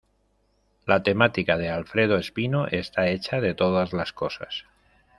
La temática de Alfredo Espino está hecha de todas las cosas.